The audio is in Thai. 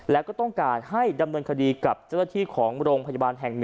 แล้วก็ต้องการให้ดำเนินคดีกับเจ้าหน้าที่ของโรงพยาบาลแห่ง๑